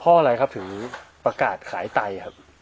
พ่ออะไรครับถือประกาศขายไต